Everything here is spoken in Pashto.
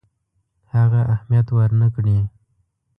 هغه اهمیت ورنه کړي.